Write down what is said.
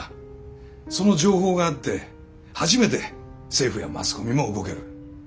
その情報があって初めて政府やマスコミも動ける。